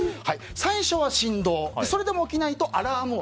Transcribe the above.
最初は振動それでも起きないとアラーム音。